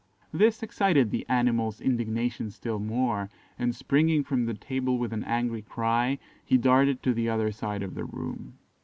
This excited the animal's indignation still more, and springing from the table with an angry cry, he darted to the other side of the room.